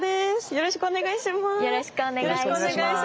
よろしくお願いします。